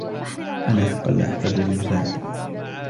أنا حقا لا أحتاج لمساعدة.